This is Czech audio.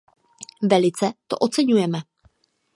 Velice to oceňujeme.